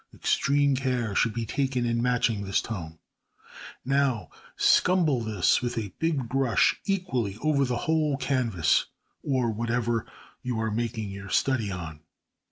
Extreme care should be taken in matching this tone. Now scumble this with a big brush equally over the whole canvas (or whatever you are making your study on).